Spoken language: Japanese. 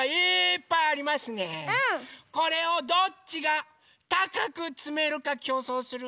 これをどっちがたかくつめるかきょうそうする？